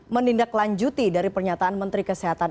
menindaklanjuti dari pernyataan menteri kesehatan